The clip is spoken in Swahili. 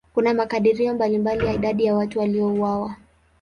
Kuna makadirio mbalimbali ya idadi ya watu waliouawa.